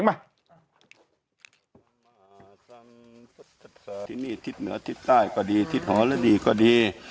นิ